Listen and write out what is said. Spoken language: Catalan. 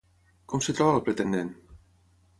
Com es troba el pretendent?